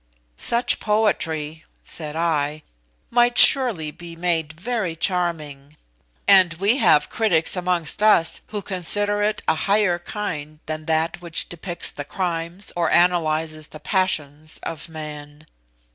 "Such poetry," said I, "might surely be made very charming; and we have critics amongst us who consider it a higher kind than that which depicts the crimes, or analyses the passions, of man.